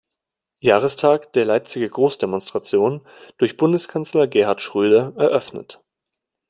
Jahrestag der Leipziger Großdemonstration, durch Bundeskanzler Gerhard Schröder eröffnet.